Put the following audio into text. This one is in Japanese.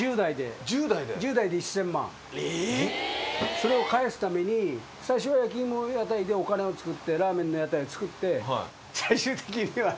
それを返すために最初は焼き芋の屋台でお金をつくってラーメンの屋台を作って。